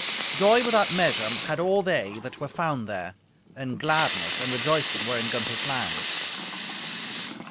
Joy without measure had all they that were found there, and gladness and rejoicing were in Gunther's land.